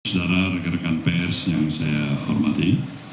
saudara rekan rekan pers yang saya hormati